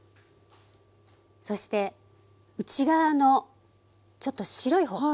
そして内側のちょっと白い方。